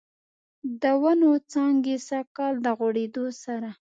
د ونوو څانګې سږکال، د غوړیدو سره